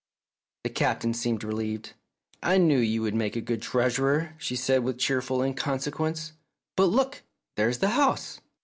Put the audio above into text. The Captain seemed relieved. " I knew you would make a good treasurer," she said with cheerful inconsequence. " But, look ! there's the house."